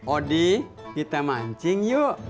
odi kita mancing yuk